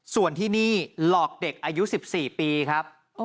ส่วนที่นี่หลอกเด็กอายุ๑๔ปีครับ